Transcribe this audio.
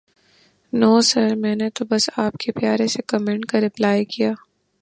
نو sir میں نے تو بس آپ کے پیارے سے کومینٹ کا رپلائے کیا